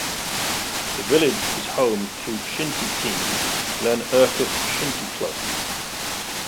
The village is home to shinty team Glenurquhart Shinty Club.